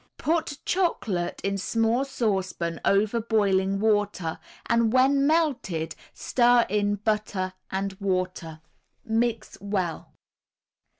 Put chocolate in small saucepan over boiling water and when melted stir in butter and water. Mix well.